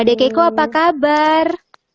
deh keiko apa kabar